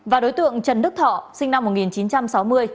và đối tượng trần đức thọ sinh năm một nghìn chín trăm sáu mươi